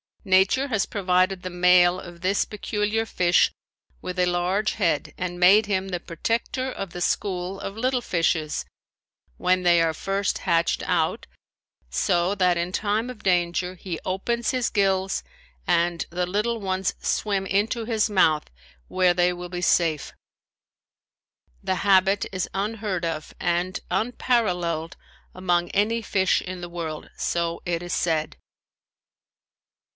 Nature has provided the male of this peculiar fish with a large head and made him the protector of the school of little fishes when they are first hatched out so that in time of danger he opens his gills and the little ones swim into his mouth where they will be safe. The habit is unheard of and unparalleled among any fish in the world, so it is said.